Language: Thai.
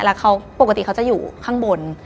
แล้วเขาปกติเขาจะอยู่ข้างบน